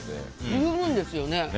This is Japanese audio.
十分ですよね。